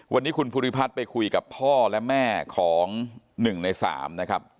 วันนี้คุณพุทธิพัฒน์ไปคุยกับพ่อและแม่ของหนึ่งในสามนะครับ